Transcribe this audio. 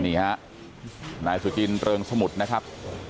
นี่ฮะนายสุจินเริงสมุทรนะครับ